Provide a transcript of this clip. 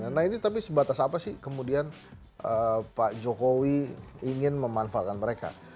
nah ini tapi sebatas apa sih kemudian pak jokowi ingin memanfaatkan mereka